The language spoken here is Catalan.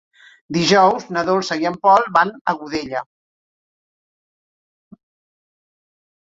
Dijous na Dolça i en Pol van a Godella.